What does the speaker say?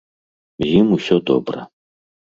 З ім усё добра.